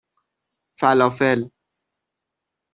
فلافل